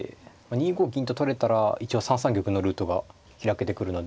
２五銀と取れたら一応３三玉のルートが開けてくるので。